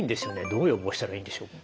どう予防したらいいんでしょう？